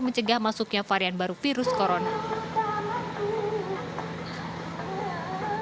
mencegah masuknya varian baru virus corona